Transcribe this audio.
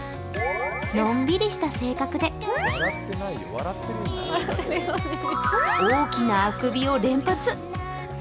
のんびりした性格で大きなあくびを連発。